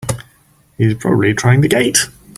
He's probably trying the gate!